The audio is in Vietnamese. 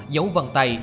dấu vần tay